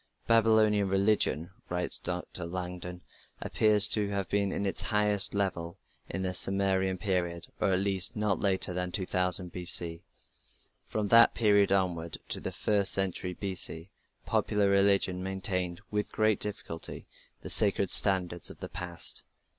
"Babylonian religion", writes Dr. Langdon, "appears to have reached its highest level in the Sumerian period, or at least not later than 2000 B.C. From that period onward to the first century B.C. popular religion maintained with great difficulty the sacred standards of the past."